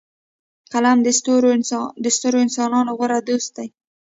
قلم د سترو انسانانو غوره دوست دی